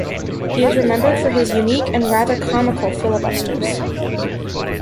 He is remembered for his unique and rather comical filibusters.